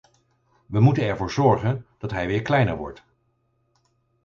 We moeten ervoor zorgen dat hij weer kleiner wordt.